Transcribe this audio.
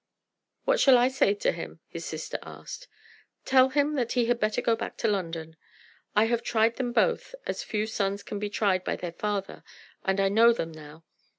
"What shall I say to him?" his sister asked. "Tell him that he had better go back to London. I have tried them both, as few sons can be tried by their father, and I know them now.